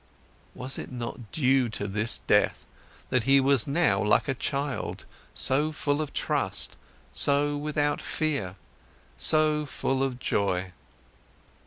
Was it not due to this death, that he was now like a child, so full of trust, so without fear, so full of joy?